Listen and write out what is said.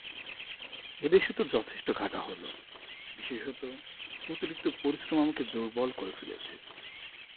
এ দেশ তো যথেষ্ট ঘাঁটা হল, বিশেষত অতিরিক্ত পরিশ্রম আমাকে দুর্বল করে ফেলেছে।